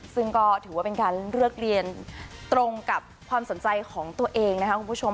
ซึ่งก็ถือว่าเป็นการเลือกเรียนตรงกับความสนใจของตัวเองนะครับคุณผู้ชม